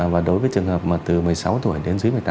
và đối với trường hợp mà từ một mươi sáu tuổi đến dưới một mươi tám